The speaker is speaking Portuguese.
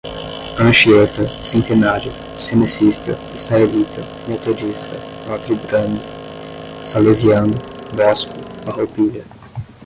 Anchieta, Centenário, Cenecista, Israelita, Metodista, Notre Drame, Salesiano, Bosco, Farroupilha